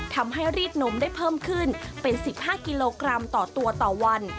ทำให้รีดนมได้เพิ่มขึ้นเป็น๑๕กิโลกรัมต่อตัวต่อวัน